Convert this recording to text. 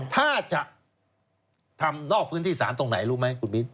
ถ้าจะทำนอกพื้นที่สารตรงไหนรู้ไหมคุณมิ้น